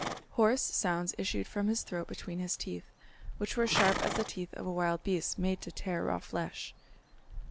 Hoarse sounds issued from his throat between his teeth, which were sharp as the teeth of a wild beast made to tear raw flesh.